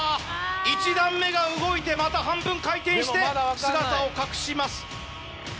１段目が動いてまた半分回転して姿を隠します。